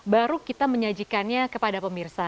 baru kita menyajikannya kepada pemirsa